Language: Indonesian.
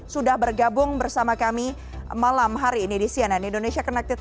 sudah bergabung bersama kami malam hari ini di cnn indonesia connected